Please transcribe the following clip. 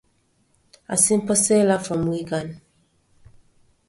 A simple sailor from Wigan.